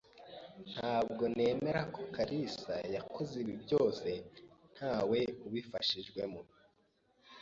Ntabwo nemera ko kalisa yakoze ibi byose ntawe ubifashijwemo.